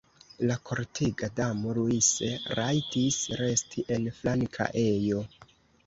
La kortega damo Luise rajtis resti en flanka ejo.